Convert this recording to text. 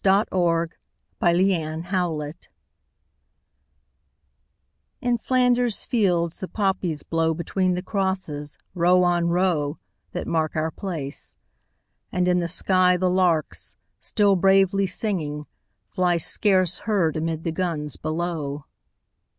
A. L.} IN FLANDERS FIELDS In Flanders fields the poppies grow Between the crosses, row on row That mark our place: and in the sky The larks still bravely singing, fly Scarce heard amid the guns below.